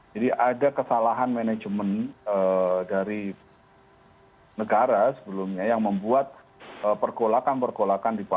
jadi ada kesalahan manajemen dari negara sebelumnya yang membuat perkulakan perkulakan dipakai